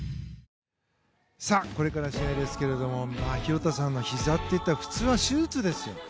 これから試合ですけど廣田さんのひざといったら普通は手術ですよ。